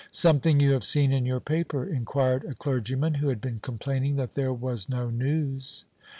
"Something you have seen in your paper?" inquired a clergyman who had been complaining that there was no news.